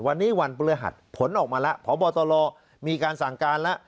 วันนี้วันพฤหัสผลออกมาแล้วพบตรมีการสั่งการแล้ว